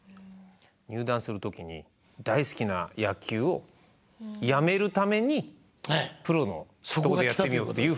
入団する時に大好きな野球を辞めるためにプロのとこでやってみようという。